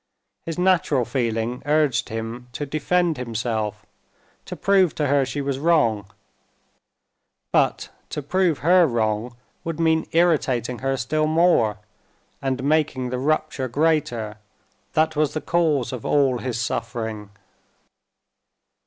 His natural feeling urged him to defend himself, to prove to her she was wrong; but to prove her wrong would mean irritating her still more and making the rupture greater that was the cause of all his suffering.